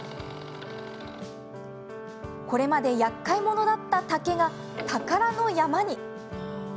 これまで、やっかいものだった竹が宝の山に。